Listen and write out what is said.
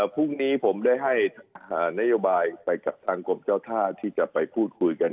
พรุ่งนี้ผมได้ให้นโยบายไปกับทางกรมเจ้าท่าที่จะไปพูดคุยกัน